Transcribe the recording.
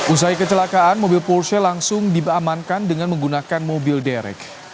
usai kecelakaan mobil polse langsung diamankan dengan menggunakan mobil derek